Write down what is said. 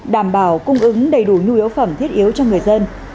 đảm bảo cung ứng đầy đủ nhu yếu phẩm thiết yếu cho người dân